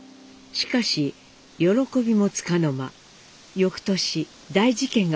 しかし喜びもつかの間よくとし大事件が起きます。